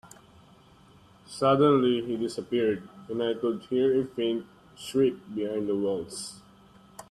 Suddenly, he disappeared, and I could hear a faint shriek behind the walls.